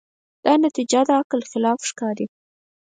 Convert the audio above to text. دا نتیجه د عقل خلاف ښکاري.